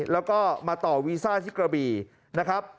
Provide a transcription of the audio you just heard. แล้วก็มาต่อวีซ่าที่กระบี่นะครับ